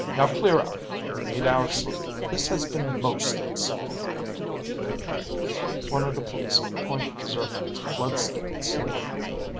Now clear out. We need our sleep. This has been most unsettling." One of the policemen pointed to Zircon's bloodstained sleeve.